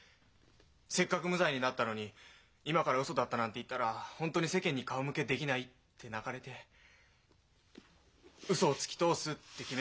「せっかく無罪になったのに今からウソだったなんて言ったら本当に世間に顔向けできない」って泣かれてウソをつき通すって決めたんです。